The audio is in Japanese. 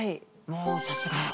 もうさすが。